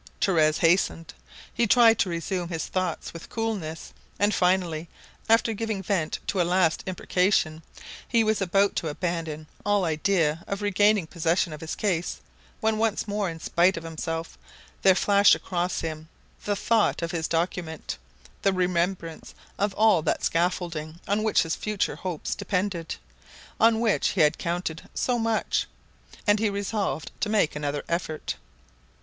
Torres hesitated; he tried to resume his thoughts with coolness, and finally, after giving vent to a last imprecation, he was about to abandon all idea of regaining possession of his case, when once more, in spite of himself, there flashed across him the thought of his document, the remembrance of all that scaffolding on which his future hopes depended, on which he had counted so much; and he resolved to make another effort.